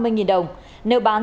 bốn trăm năm mươi nghìn đồng nếu bán